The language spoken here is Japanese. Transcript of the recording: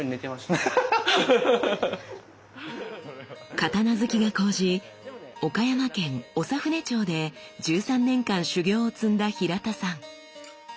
刀好きが高じ岡山県長船町で１３年間修行を積んだ平田さん。